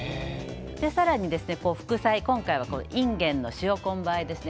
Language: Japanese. さらに、副菜、今回はいんげんの塩昆布あえです。